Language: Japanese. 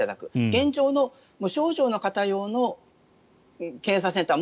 現状の無症状の方用の検査センター